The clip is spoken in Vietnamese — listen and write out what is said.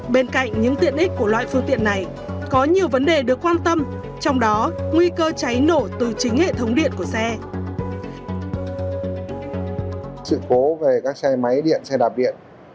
bên cạnh những tiện ích của loại phương tiện này có nhiều vấn đề được quan tâm trong đó nguy cơ cháy nổ từ chính hệ thống điện của xe đạp điện